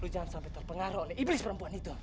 jangan sampai terpengaruh oleh iblis perempuan itu